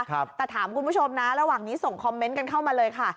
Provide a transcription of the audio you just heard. แต่ถามคุณผู้ชมนะระหว่างนี้ส่งคอมเมนต์กันเข้ามาเลยค่ะ